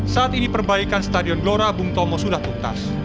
saat ini perbaikan stadion glora bung tomo sudah tuntas